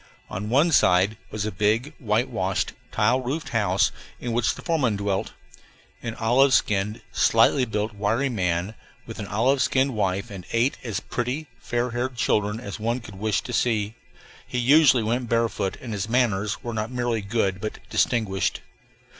On one side was a big, whitewashed, tile roofed house in which the foreman dwelt an olive skinned, slightly built, wiry man, with an olive skinned wife and eight as pretty, fair haired children as one could wish to see. He usually went barefoot, and his manners were not merely good but distinguished.